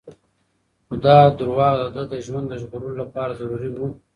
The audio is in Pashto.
خو دا دروغ د ده د ژوند د ژغورلو لپاره ضروري وو.